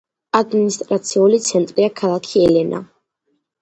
ადმინისტრაციული ცენტრია ქალაქი ელენა.